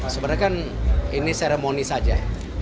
sebenarnya kan ini seremoni saja